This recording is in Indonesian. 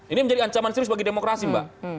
ini menjadi ancaman serius bagi demokrasi mbak